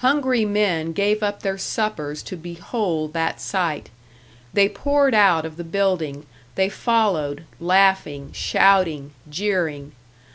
Hungry men gave up their suppers to behold that sight. They poured out of the building, they followed, laughing, shouting, jeering.